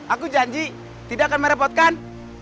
aku janji tidak akan merepotkan